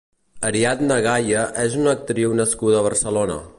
Ariadna Gaya és una actriu nascuda a Barcelona.